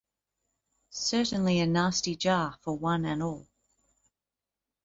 Certainly a nasty jar for one and all.